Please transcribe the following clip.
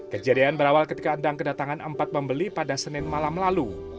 kejadian berawal ketika endang kedatangan empat pembeli pada senin malam lalu